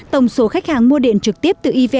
tổng số khách hàng mua điện trực tiếp từ evn